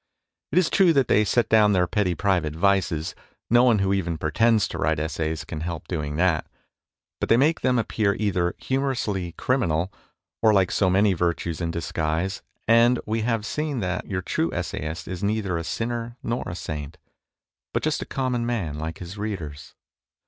It is true they set down their petty private vices no one who even pretends to write essays can help doing that but they make them appear either humorously criminal, or like so many virtues in disguise, and we have seen that your true essayist is neither a sinner nor a saint, but just a common man like his readers.